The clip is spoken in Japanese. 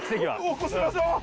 起こしましょう！